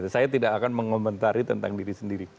saya tidak akan mengomentari tentang diri sendiri